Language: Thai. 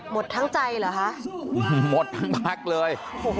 หมดทั้งใจเหรอคะหมดทั้งพักเลย